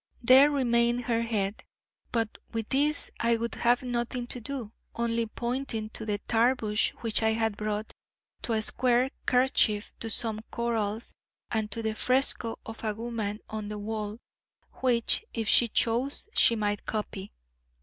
There remained her head, but with this I would have nothing to do, only pointing to the tarboosh which I had brought, to a square kerchief, to some corals, and to the fresco of a woman on the wall, which, if she chose, she might copy.